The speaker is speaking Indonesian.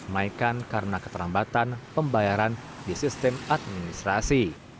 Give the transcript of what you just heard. melainkan karena keterlembatan pembayaran di sistem administrasi